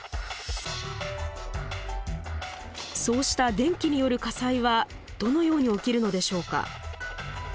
そうした電気による火災はどのように起きるのでしょうか？